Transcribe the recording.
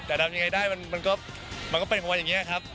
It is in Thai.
แต่ทำยังไงได้มันก็เป็นของมันอย่างนี้ครับ